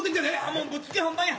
もうぶっつけ本番や。